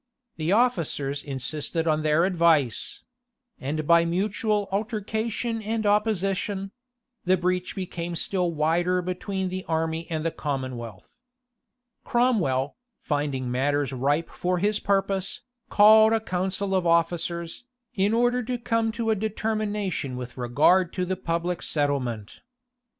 The officers insisted on their advice; and by mutual altercation and opposition, the breach became still wider between the army and the commonwealth. Cromwell, finding matters ripe for his purpose, called a council of officers, in order to come to a determination with regard to the public settlement.